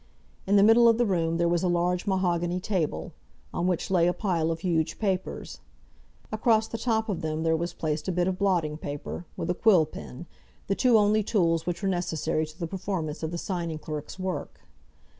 In the middle of the room there was a large mahogany table, on which lay a pile of huge papers. Across the top of them there was placed a bit of blotting paper, with a quill pen, the two only tools which were necessary to the performance of the signing clerk's work.